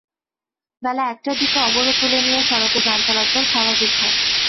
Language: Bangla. বেলা একটার দিকে অবরোধ তুলে নিলে সড়কে যান চলাচল স্বাভাবিক হয়।